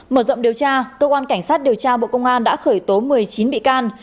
mở rộng điều tra cơ quan cảnh sát điều tra bộ công an đã khởi tố một mươi chín bị can